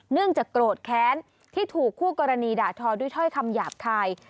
เนื่องจากโกรธแค้นที่ถูกคู่กรณีด่าทอด้วยถ้อยคำหยาบคาย